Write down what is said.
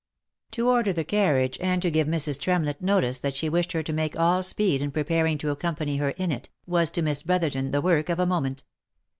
To order the carriage, and to give Mrs. Tremlett notice that she wished her to make all speed in preparing to accompany her in it, was to Miss Brotherton the work of a moment.